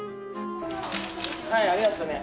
はいありがとね。